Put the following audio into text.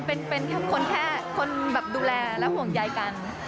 เป็นคนแค่คนแบบดูแลและห่วงใยกัน